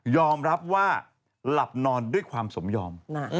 อมรับว่าหลับนอนด้วยความสมยอม